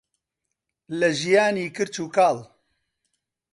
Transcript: لە ژیانی کرچ و کاڵ.